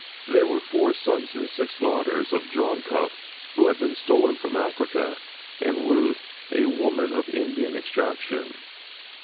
There were four sons and six daughters of John Cuffe who had been stolen from Africa, and Ruth, a woman of Indian extraction.